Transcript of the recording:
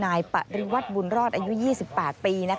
นายปริวัติบุญรอดอายุ๒๘ปี